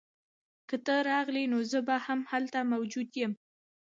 که ته راغلې نو زه به هم هلته موجود یم